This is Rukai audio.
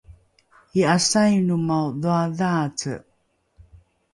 i’asainomao dhoadhaace?